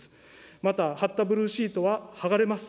また、張ったブルーシートは剥がれます。